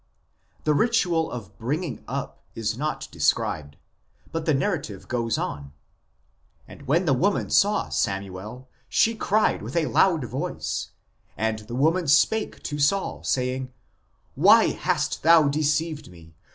The ritual of "bringing up" is not described, but the narrative goes on :" And when the woman saw Samuel, she cried with a loud voice ; and the woman spake to Saul, saying, Why hast thou deceived me